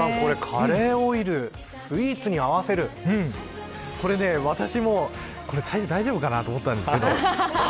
カレーオイルスイーツに合わせる私も最初大丈夫かなと思ったんですけど